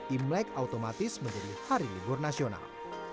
imlek otomatis menjadi hari libur nasional